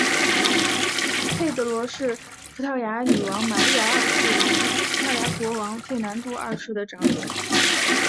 佩德罗是葡萄牙女王玛莉亚二世与其夫葡萄牙国王费南度二世的长子。